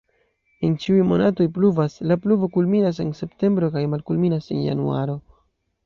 En ĉiuj monatoj pluvas, la pluvo kulminas en septembro kaj malkulminas en januaro.